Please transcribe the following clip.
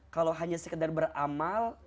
kalau hanya sekedar beramal